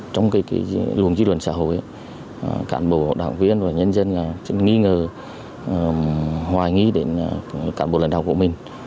trong luồng dư luận xã hội cán bộ đảng viên và nhân dân nghi ngờ hoài nghĩ đến cán bộ lần đầu của mình